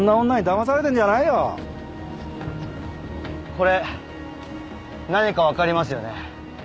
これ何かわかりますよね？